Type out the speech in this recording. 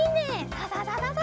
ササササ。